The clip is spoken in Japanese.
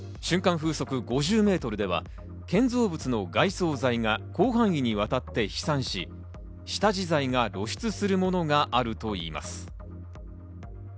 風速５０メートルでは、建造物の外装材が広範囲にわたって飛散し、下地材が露出するものがあるといいます。